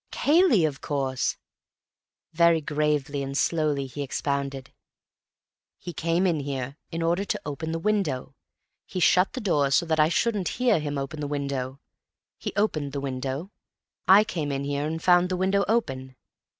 "Cayley, of course." Very gravely and slowly he expounded. "He came in here in order to open the window. He shut the door so that I shouldn't hear him open the window. He opened the window. I came in here and found the window open.